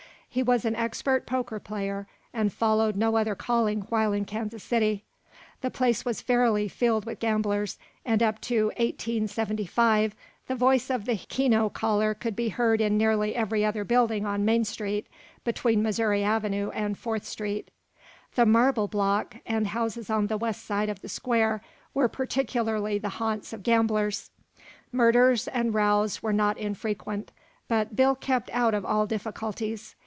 He was an expert poker player, and followed no other calling while in Kansas City. The place was fairly filled with gamblers, and up to 1875 the voice of the keno caller could be heard in nearly every other building on Main street, between Missouri avenue and Fourth street. The Marble block, and houses on the west side of the square, were particularly the haunts of gamblers. Murders and rows were not infrequent, but Bill kept out of all difficulties.